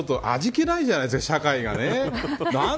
味気ないじゃないですか社会がね。